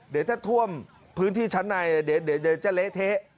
เดี๋ยวถ้าท่วมพื้นที่ชั้นในเดี๋ยวจะเละเทะ